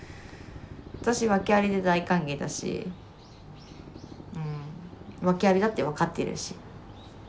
私ワケありで大歓迎だしうんワケありだって分かってるし。